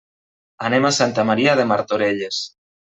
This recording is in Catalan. Anem a Santa Maria de Martorelles.